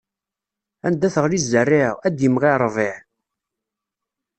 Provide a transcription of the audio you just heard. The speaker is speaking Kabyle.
Anda teɣli zzerriɛa, ad d-imɣi ṛṛbiɛ.